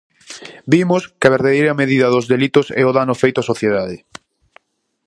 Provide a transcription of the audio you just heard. Vimos que a verdadeira medida dos delitos é o dano feito á sociedade.